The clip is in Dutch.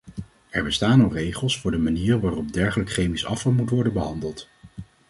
Er bestaan al regels voor de manier waarop dergelijk chemisch afval moet worden behandeld.